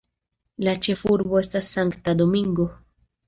La ĉefurbo estas Sankta Domingo.